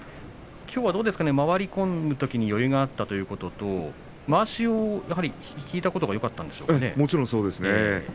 きょうはどうでしょうか回り込むときに余裕があったということと、まわしを引いたことがもちろん、そうですね。